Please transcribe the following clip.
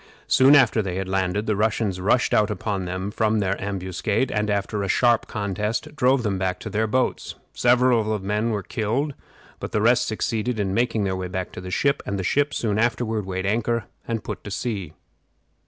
Soon after they had landed the Russians rushed out upon them from their ambuscade, and, after a sharp contest, drove them back to their boats. Several of the men were killed, but the rest succeeded in making their way to the ship, and the ship soon afterward weighed anchor and put to sea.